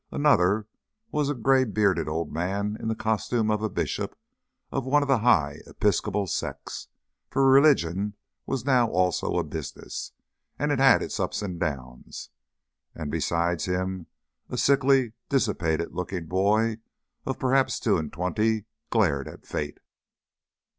Another was a grey bearded old man in the costume of a bishop of one of the high episcopal sects for religion was now also a business, and had its ups and downs. And beside him a sickly, dissipated looking boy of perhaps two and twenty glared at Fate.